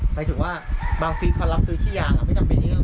หมายถึงว่าบางฟิศเขารับซื้อขี้ยางไม่จำเป็นยังไงครับ